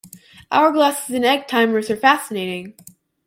Hourglasses and egg timers are fascinating.